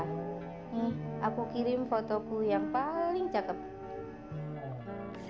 nih aku kirim fotoku yang paling cakepnya